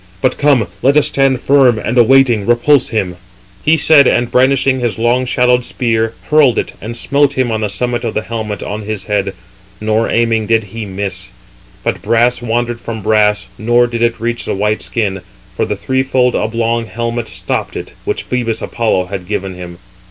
But come, let us stand firm, and awaiting, repulse [him]." He said, and brandishing his long shadowed spear, hurled it, and smote him on the summit of the helmet on his head; nor, aiming did he miss. But brass wandered from brass, nor did it reach the white skin; for the threefold oblong helmet stopped it, which Phœbus Apollo had given him.